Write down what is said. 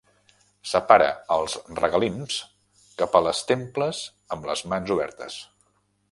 Separa els regalims cap a les temples amb les mans obertes.